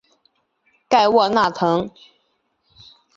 盖沃纳滕。